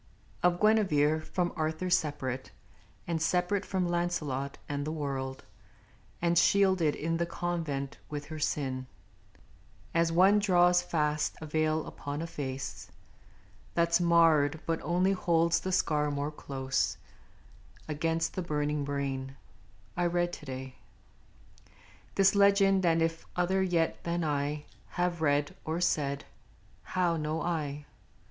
Of Guinevere from Arthur separate, And separate from Launcelot and the world, And shielded in the convent with her sin, As one draws fast a veil upon a face That 's marred, but only holds the scar more close Against the burning brain I read to day This legend; and if other yet than I Have read, or said, how know I?